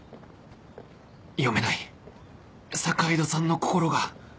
読めない坂井戸さんの心が